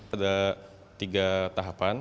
ada tiga tahapan